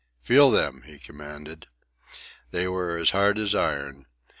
"Feel them," he commanded. They were hard as iron.